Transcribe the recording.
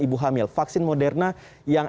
ibu hamil vaksin moderna yang